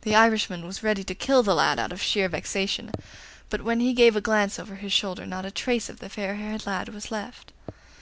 The Irishman was ready to kill the lad out of sheer vexation, but when he gave a glance over his shoulder not a trace of the fair haired lad was left.